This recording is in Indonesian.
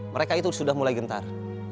mereka itu sudah mulai gentar